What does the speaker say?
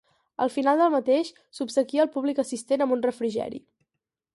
Al final del mateix s'obsequia el públic assistent amb un refrigeri.